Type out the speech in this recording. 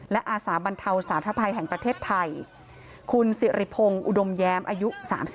และอาสาบรรเทาสาธภัยแห่งประเทศไทยคุณสิริพงศ์อุดมแย้มอายุ๓๒